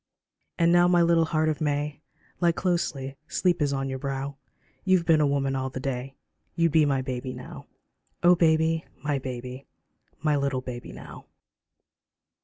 And now my little heart of May, Lie closely, sleep is on your brow, You've been a woman all the day, You'd be my baby now ; Oh baby, my baby ! My little baby now.